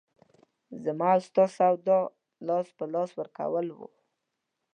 زما او ستا سودا لاس په لاس ورکول وو.